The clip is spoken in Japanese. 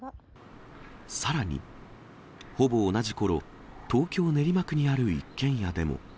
さらに、ほぼ同じころ、東京・練馬区にある一軒家でも。